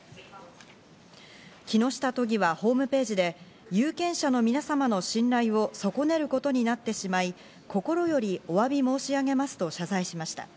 木下都議はホームページで、有権者の皆様の信頼を損ねることになってしまい、心よりお詫び申し上げますと謝罪しました。